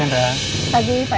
hal yg dia merga